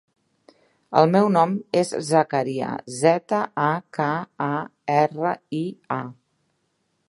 El meu nom és Zakaria: zeta, a, ca, a, erra, i, a.